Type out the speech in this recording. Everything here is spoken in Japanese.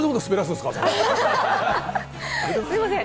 すいません。